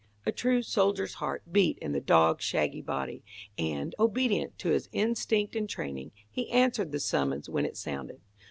A true soldier's heart beat in the dog's shaggy body, and, obedient to his instinct and training, he answered the summons when it sounded.